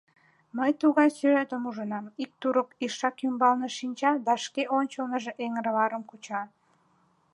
Мый тугай сӱретым ужынам: ик турок ишак ӱмбалне шинча да шке ончылныжо эҥырварам куча.